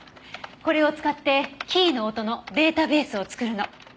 これを使ってキーの音のデータベースを作るの。